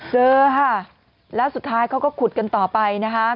เจอค่ะแล้วสุดท้ายเขาก็ขุดกันต่อไปนะคะ